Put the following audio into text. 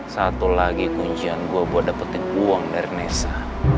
satu lagi kuncian gue buat dapetin uang dari nesa